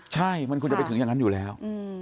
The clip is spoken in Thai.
ใช่มันควรจะไปถึงอย่างนั้นอยู่แล้ว